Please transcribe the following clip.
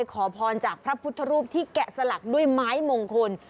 ขอพรจากพระพุทธรูปที่แกะสลักด้วยไม้มงคล